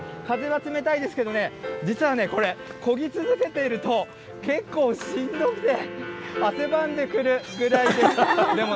風は冷たいですけど、実はね、これ、こぎ続けていると、結構、しんどいんで汗ばんでくるぐらいです。